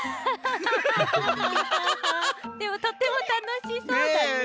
でもとってもたのしそうだね！